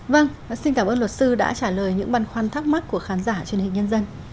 vâng xin cảm ơn luật sư đã trả lời những băn khoăn thắc mắc của khán giả truyền hình nhân dân